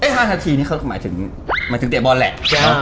๕นาทีนี่เขาหมายถึงเตะบอลแหละ